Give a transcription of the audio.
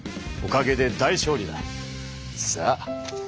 おかげで大勝利だ。さあ。